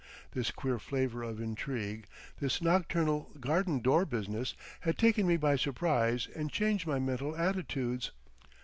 This queer flavour of intrigue, this nocturnal garden door business, had taken me by surprise and changed my mental altitudes.